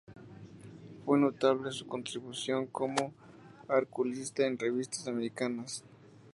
Fue notable su contribución como articulista en revistas americanas.